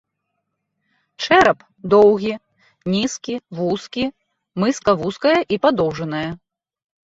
Чэрап доўгі, нізкі, вузкі, мыска вузкая і падоўжаная.